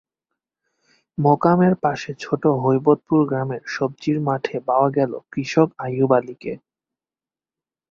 মোকামের পাশে ছোট হৈবতপুর গ্রামের সবজির মাঠে পাওয়া গেল কৃষক আইয়ুব আলীকে।